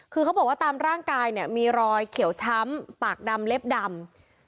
คือเขาบอกว่าตามร่างกายเนี่ยมีรอยเขียวช้ำปากดำเล็บดำ